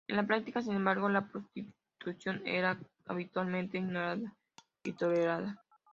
En la práctica sin embargo la prostitución era habitualmente ignorada y tolerada.